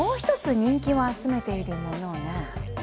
人気を集めているものが。